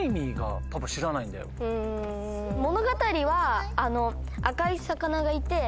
物語は赤い魚がいて。